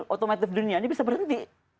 otomatis dunia ini bisa berhenti